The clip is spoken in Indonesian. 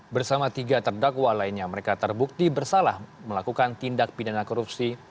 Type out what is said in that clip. bersama tiga terdakwa lainnya mereka terbukti bersalah melakukan tindak pidana korupsi